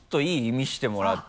見せてもらって。